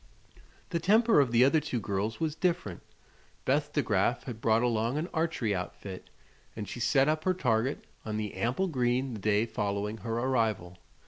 The temper of the other two girls was different. Beth De Graf had brought along an archery outfit, and she set up her target on the ample green the day following her arrival.